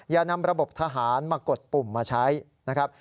อย่านำระบบทหารมากดปุ่มมาใช้นะครับ